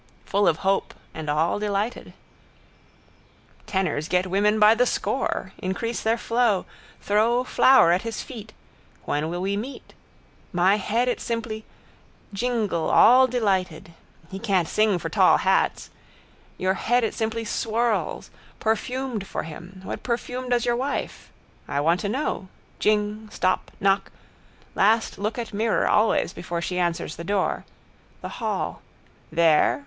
—Full of hope and all delighted... Tenors get women by the score. Increase their flow. Throw flower at his feet. When will we meet? My head it simply. Jingle all delighted. He can't sing for tall hats. Your head it simply swurls. Perfumed for him. What perfume does your wife? I want to know. Jing. Stop. Knock. Last look at mirror always before she answers the door. The hall. There?